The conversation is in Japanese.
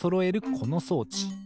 この装置。